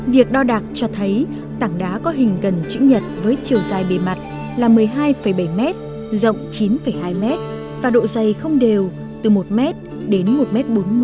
việc đo đạc cho thấy tảng đá có hình gần chữ nhật với chiều dài bề mặt là một mươi hai bảy m rộng chín hai m và độ dày không đều từ một m đến một m bốn mươi